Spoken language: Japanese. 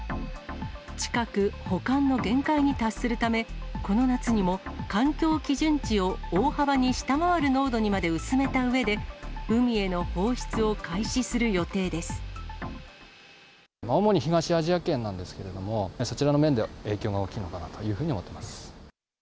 近く、保管の限界に達するため、この夏にも、環境基準値を大幅に下回る濃度にまで薄めたうえで、主に東アジア圏なんですけれども、そちらの面では影響は大きいのかなというふうに思っています。